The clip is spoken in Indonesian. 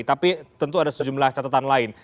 tapi tentu ada sejumlah catatan lain